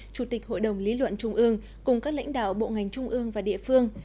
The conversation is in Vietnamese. chủ tịch hội đồng lý luận trung ương cùng các lãnh đạo bộ ngành trung ương và địa phương